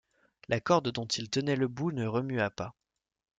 La corde dont ils tenaient le bout ne remua pas.